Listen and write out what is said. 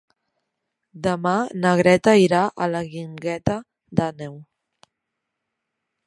Demà na Greta irà a la Guingueta d'Àneu.